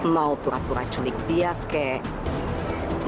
mau pura pura culik dia kek